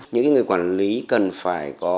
những người quản lý cần phải có